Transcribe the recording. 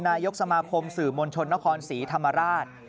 นายกสมาคมสื่อมวลชนนครศรีธรรมราช